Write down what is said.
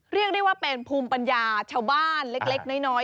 เรียกได้ว่าเป็นภูมิปัญญาชาวบ้านเล็กน้อย